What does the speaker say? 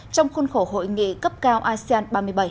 trong khuôn khổ hội nghị cấp cao asean ba mươi bảy